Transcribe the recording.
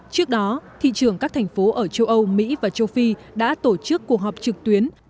trước đó thị trường các thành phố ở châu âu mỹ và châu phi đã tổ chức cuộc họp trực tuyến